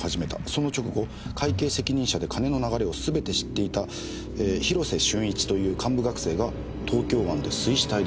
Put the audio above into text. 「その直後会計責任者で金の流れをすべて知っていた広瀬峻一という幹部学生が東京湾で水死体で発見された」